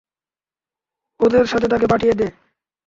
ওদের সাথে তাকে পাঠিয়ে দে!